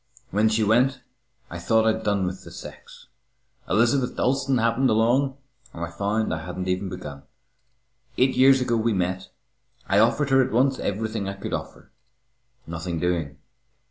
When she went, I thought I'd done with the sex. Elizabeth Dalstan happened along, and I found I hadn't even begun. Eight years ago we met. I offered her at once everything I could offer. Nothing doing.